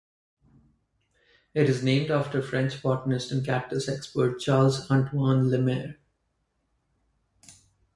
It is named after French botanist and cactus expert Charles Antoine Lemaire.